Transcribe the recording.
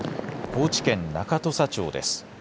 高知県中土佐町です。